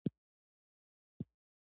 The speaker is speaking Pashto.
تاسو به کله بېرته خپل وطن ته ځئ؟